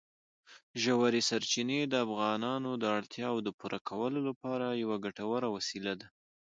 ژورې سرچینې د افغانانو د اړتیاوو د پوره کولو لپاره یوه ګټوره وسیله ده.